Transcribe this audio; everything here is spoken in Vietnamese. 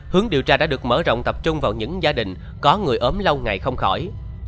hướng điều tra đã được mở rộng tập trung vào những gia đình có người ốm lâu ngày không khỏi